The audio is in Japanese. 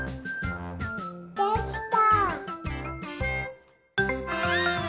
できた！